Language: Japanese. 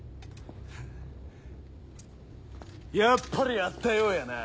フッやっぱりあったようやな。